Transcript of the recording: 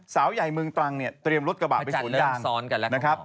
สาวใหญ่เมืองตรังเนี่ยเตรียมรถกระบาดไปสวนยาง